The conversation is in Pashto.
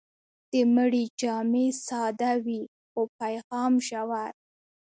د مړي جامې ساده وي، خو پیغام ژور.